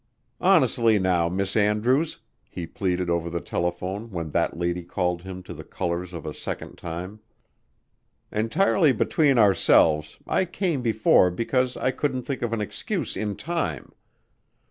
"Honestly, now, Miss Andrews," he pleaded over the telephone when that lady called him to the colors a second time, "entirely between ourselves, I came before because I couldn't think of an excuse in time.